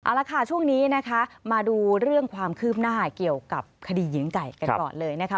เอาละค่ะช่วงนี้นะคะมาดูเรื่องความคืบหน้าเกี่ยวกับคดีหญิงไก่กันก่อนเลยนะคะ